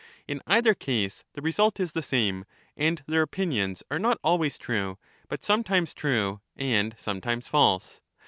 In either case, the result is the same, and their opinions are not always true, but sometimes true and sometimes false.